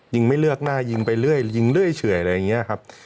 ยิงไม่เลือกหน้ายิงไปเรื่อยยิงเรื่อยเฉื่อยอะไรอย่างนี้ครับ